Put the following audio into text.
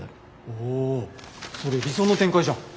おお。それ理想の展開じゃん。